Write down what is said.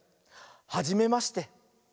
はじめまして。